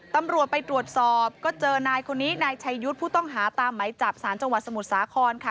ตำรวจไปตรวจสอบก็เจอนายคนนี้นายชัยยุทธ์ผู้ต้องหาตามไหมจับสารจังหวัดสมุทรสาครค่ะ